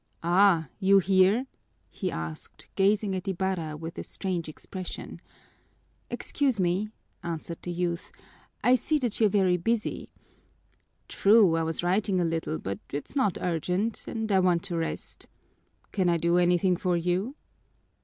"Ah, you here?" he asked, gazing at Ibarra with a strange expression. "Excuse me," answered the youth, "I see that you're very busy " "True, I was writing a little, but it's not urgent, and I want to rest. Can I do anything for you?"